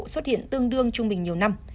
xuất hiện tương đương trung bình nhiều năm